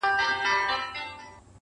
• كه څه هم په دار وځړوو؛